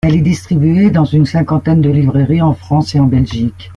Elle est distribuée dans une cinquantaine de librairies en France et en Belgique.